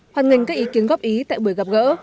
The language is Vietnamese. hoàn ngành các ý kiến góp ý tại buổi gặp gỡ